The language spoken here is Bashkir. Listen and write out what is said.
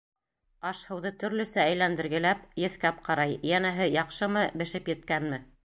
Аш-һыуҙы төрлөсә әйләндергеләп, еҫкәп ҡарай: йәнәһе, яҡшымы, бешеп еткәнме?